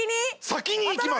先にいきます